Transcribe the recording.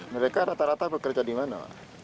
mereka rata rata bekerja di mana